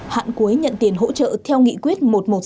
hạn cuối nhận tiền hỗ trợ theo nghị quyết một trăm một mươi sáu